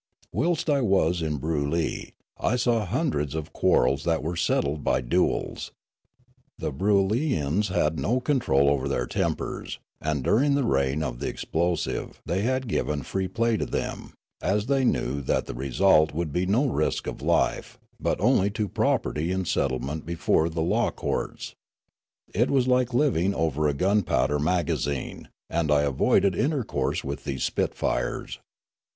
Whilst I was in Broolyi I saw hundreds of quarrels that were settled by duels The Broolyians had no control over their tempers, and during the reign of the explosive they had given free play to them, as the}' knew that the result would be no risk of life, but onl}' to property in settlement before the law courts. It was like living over a gunpowder magazine, and I av^oided intercourse with these spitfires.